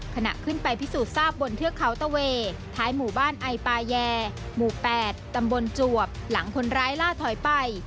ขณะขึ้นไปพิสูจน์ทราบบนเทือกเขาตะเวท้ายหมู่บ้านไอปาแยหมู่๘ตำบลจวบหลังคนร้ายล่าถอยไป